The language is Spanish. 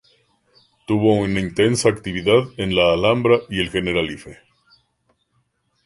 Tuvo una intensa actividad en la Alhambra y el Generalife.